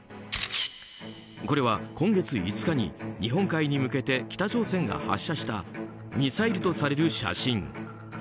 これは、今月５日に日本海に向けて北朝鮮が発射したミサイルとされる写真。